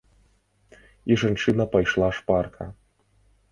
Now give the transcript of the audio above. І жанчына пайшла шпарка.